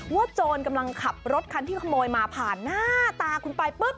โจรกำลังขับรถคันที่ขโมยมาผ่านหน้าตาคุณไปปุ๊บ